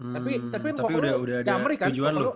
tapi tapi kok lu di amrik kan